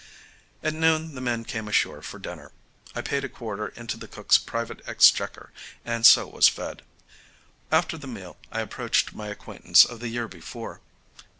At noon the men came ashore for dinner. I paid a quarter into the cook's private exchequer and so was fed. After the meal I approached my acquaintance of the year before.